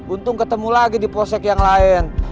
untung ketemu lagi di posek yang lain